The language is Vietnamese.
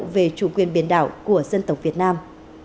bảo vệ chủ quyền biển đảo của dân tộc việt nam